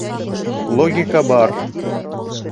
Логика бар.